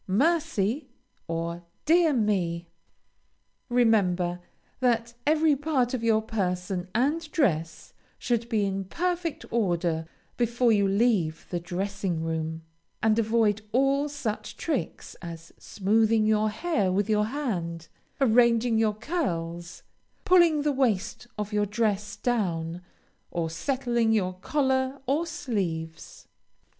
"Mercy!" or "Dear me!" Remember that every part of your person and dress should be in perfect order before you leave the dressing room, and avoid all such tricks as smoothing your hair with your hand, arranging your curls, pulling the waist of your dress down, or settling your collar or sleeves.